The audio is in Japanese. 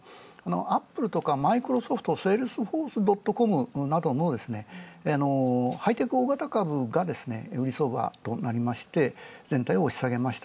アップルとかマイクロソフト、セールスフォースドットコムなどもハイテク大型株が売り相場となりまして、全体を押し下げました。